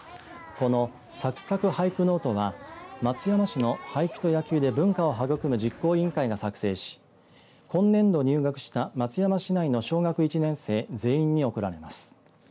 この、さくさくはいくノートは松山市の俳句と野球で文化を育む実行委員会が作成し今年度入学した松山市内の小学１年生全員に贈られます。